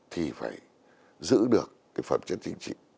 thì phải giữ được cái phẩm chất chính trị